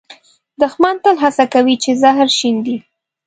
دښمن تل هڅه کوي چې زهر شیندي